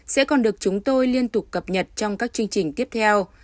sẽ còn được chúng tôi liên tục cập nhật trong các chương trình tiếp theo